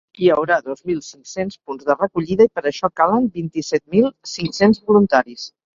Hi haurà dos mil cinc-cents punts de recollida i per això calen vint-i-set mil cinc-cents voluntaris.